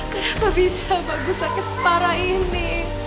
kenapa bisa bagus sakit separah ini